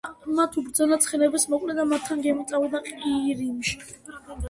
მათ უბრძანა ცხენების მოკვლა და მათთან ერთად გემით წავიდა ყირიმში.